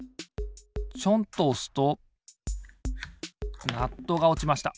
ちょんとおすとナットがおちました。